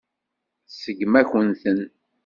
Tseggem-akent-ten.